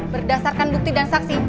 berdasarkan bukti dan saksi